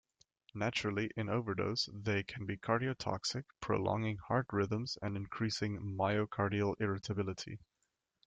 Naturally, in overdose, they can be cardiotoxic, prolonging heart rhythms and increasing myocardial irritability.